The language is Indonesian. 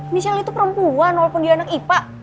michelle itu perempuan walaupun dia anak ipa